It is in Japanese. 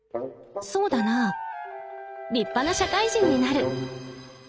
そうだなぁ立派な社会人になる。